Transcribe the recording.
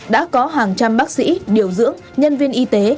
đã có hàng trăm bác sĩ điều dưỡng nhân viên y tế